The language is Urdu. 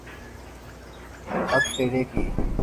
ہت تیرے کی!